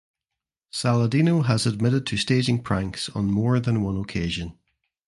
Saladino has admitted to staging pranks on more than one occasion.